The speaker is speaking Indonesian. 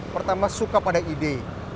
pertama suka pada ide